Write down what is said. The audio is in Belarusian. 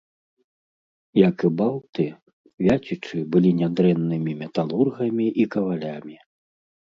Як і балты, вяцічы былі нядрэннымі металургамі і кавалямі.